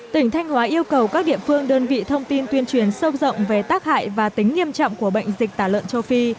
tỉnh thanh hóa yêu cầu các địa phương đơn vị thông tin tuyên truyền sâu rộng về tác hại và tính nghiêm trọng của bệnh dịch tả lợn châu phi